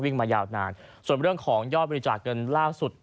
มายาวนานส่วนเรื่องของยอดบริจาคเงินล่าสุด